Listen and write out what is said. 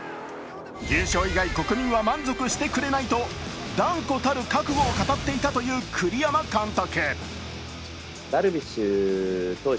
優勝以外国民は満足してくれないと断固たる覚悟を語ってくれていた栗山監督。